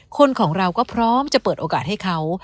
คนของเราก็พร้อมจะเปิดโอกาสให้เขา